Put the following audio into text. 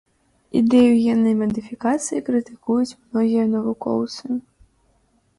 Ідэю геннай мадыфікацыі крытыкуюць многія навукоўцы.